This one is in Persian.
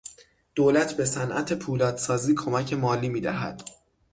دولت به صنعت پولادسازی کمک مالی میدهد.